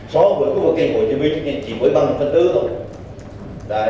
sau vừa có một kỳ hồi thì chỉ bởi bằng một phần tư thôi